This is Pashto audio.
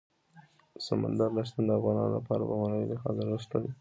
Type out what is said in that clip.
سمندر نه شتون د افغانانو لپاره په معنوي لحاظ ارزښت لري.